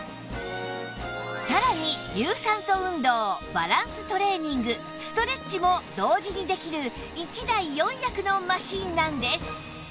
さらに有酸素運動バランストレーニングストレッチも同時にできる１台４役のマシンなんです